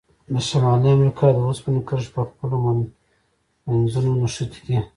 د شمالي امریکا د اوسپنې کرښې په خپلو منځونو نښتي دي.